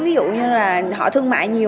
ví dụ như là họ thương mại nhiều